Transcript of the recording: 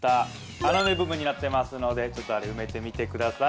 穴埋め部分になってますのでちょっとあれ埋めてみてください